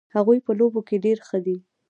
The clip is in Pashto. هغوی په لوبو کې ډېر ښه دي